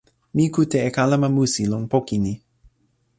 mi kute e kalama musi lon poki ni.